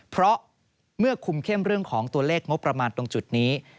เพราะเมื่อคุมเข้มเรื่องของตัวเลขงบประมาณตรงจุดนี้